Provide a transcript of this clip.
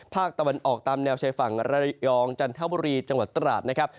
ภาคตะวันออกตามแนวชายฝั่งระยองจันทบุรีจังหวัดตราดนะครับ